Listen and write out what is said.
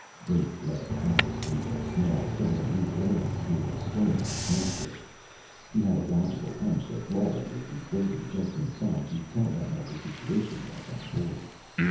Bert led Alice to the small, seldom used airlock near the stern of the camp ship. He had a logical hunch that Lawler would be waiting just inside to tell them what the situation was on board.